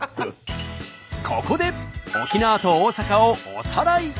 ここで沖縄と大阪をおさらい！